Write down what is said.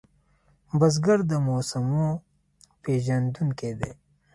بزګر د موسمو پېژندونکی دی